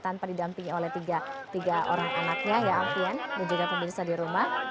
tanpa didampingi oleh tiga orang anaknya ya alfian dan juga pemirsa di rumah